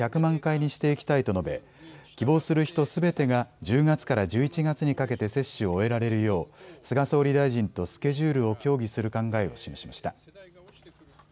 早期に１００万回にしていきたいと述べ希望する人すべてが１０月から１１月にかけて接種を終えられるよう菅総理大臣とスケジュールを協議する考えを示しました。